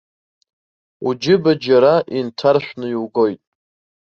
Уџьыба џьара инҭаршәны иугоит.